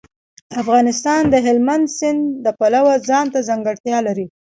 افغانستان د هلمند سیند د پلوه ځانته ځانګړتیا لري.